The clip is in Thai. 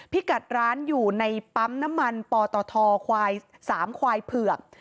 พี่กัดร้านอยู่ในปั๊มน้ำมันปตทควาย๓ควายเผือก